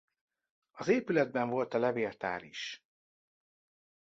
Az épületben volt a levéltár is.